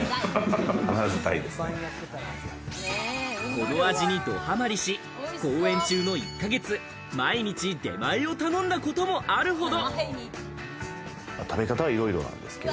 この味にどハマりし、公演中の１か月、毎日、出前を頼んだこともあるほど。